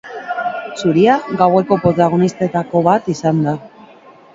Zuria gaueko protagonistetako bat izan da.